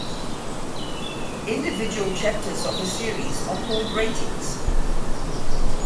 Individual chapters of the series are called ratings.